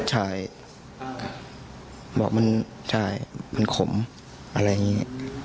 ใช่บอกมันใช่มันขมอะไรอย่างนี้